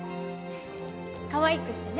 かわいくしてね。